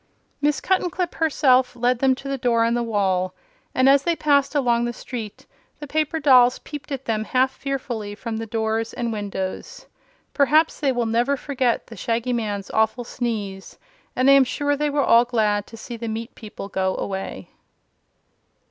Miss Cuttenclip herself led them to the door in the wall, and as they passed along the street the paper dolls peeped at them half fearfully from the doors and windows. Perhaps they will never forget the Shaggy Man's awful sneeze, and I am sure they were all glad to see the meat people go away.